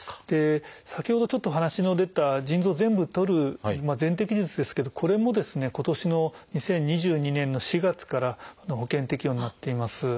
先ほどちょっとお話の出た腎臓全部とる全摘術ですけどこれもですね今年の２０２２年の４月から保険適用になっています。